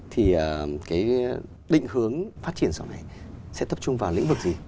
thì cái định hướng phát triển sau này sẽ tập trung vào lĩnh vực gì